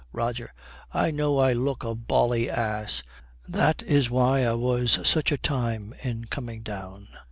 ROGER. 'I know I look a bally ass. That is why I was such a time in coming down.'